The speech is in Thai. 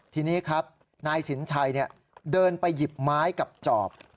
ทีนี้ครับนายสินชัยเดินไปหยิบไม้กับจอบ